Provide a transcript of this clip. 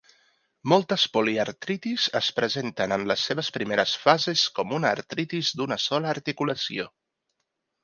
Moltes poliartritis es presenten en les seves primeres fases com una artritis d'una sola articulació.